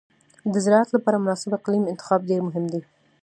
د زراعت لپاره مناسب اقلیم انتخاب ډېر مهم دی.